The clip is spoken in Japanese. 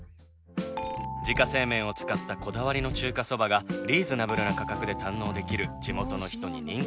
自家製麺を使ったこだわりの中華そばがリーズナブルな価格で堪能できる地元の人に人気の町中華。